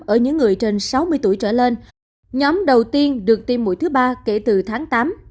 ở những người trên sáu mươi tuổi trở lên nhóm đầu tiên được tiêm mũi thứ ba kể từ tháng tám